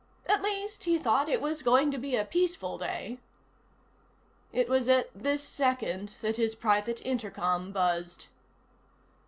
At least, he thought, it was going to be a peaceful day. It was at this second that his private intercom buzzed.